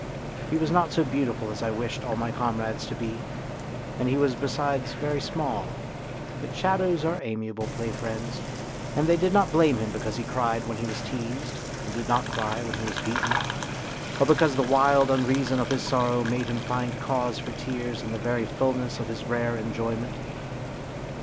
He was not so beautiful as I wished all my comrades to be, and he was besides very small ; but shadows are amiable play friends, and they did not blame him because he cried when he was teased and did not cry when he was beaten, or because the wild unreason of his sorrow made him find cause for tears in the very fullness of his rare enjoyment.